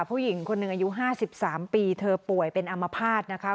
ผู้หญิงคนหนึ่งอายุ๕๓ปีเธอป่วยเป็นอามภาษณ์นะคะ